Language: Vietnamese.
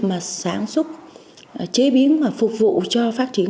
mà sáng súc chế biến và phục vụ cho phát triển